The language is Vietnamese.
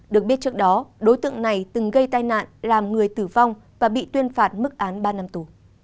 được biết trước đó đối tượng này từng gây tai nạn làm người tử vong và bị tuyên phạt mức án ba năm tù